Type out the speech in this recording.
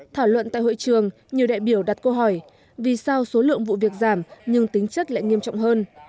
thảo luận tại hội trường nhiều đại biểu đặt câu hỏi vì sao số lượng vụ việc giảm nhưng tính chất lại nghiêm trọng hơn